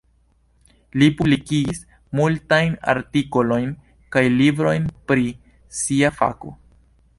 Li publikigis multajn artikolojn kaj librojn pri sia fako.